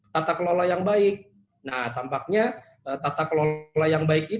tata kelola yang baik